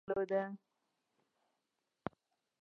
د هوا د سمون وړتیا یې درلوده.